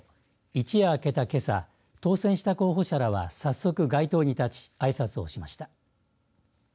一夜明けたけさ当選した候補者らは早速、街頭に立ちあいさつをしました。